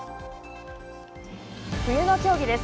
冬の競技です。